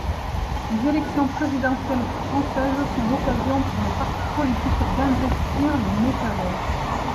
Les élections présidentielles françaises sont l'occasion pour les partis politiques d'investir le métavers.